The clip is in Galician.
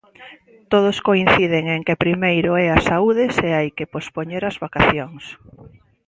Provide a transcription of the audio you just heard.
Todos coinciden en que primeiro é a saúde se hai que pospoñer as vacacións.